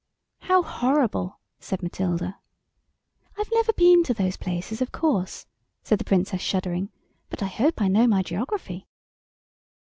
"How horrible!" said Matilda. "I've never been to those places, of course," said the Princess, shuddering, "but I hope I know my geography."